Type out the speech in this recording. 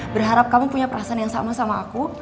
berharap kamu punya perasaan yang sama sama aku